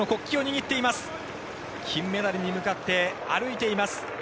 金メダルに向かって歩いています